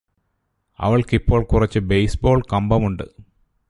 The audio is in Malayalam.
അവൾക്ക് ഇപ്പോൾ കുറച്ച് ബേസ്ബോൾ കമ്പമുണ്ട്